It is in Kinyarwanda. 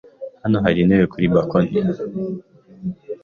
Hano hari intebe kuri bkoni.